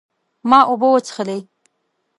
ما اوبه وڅښلې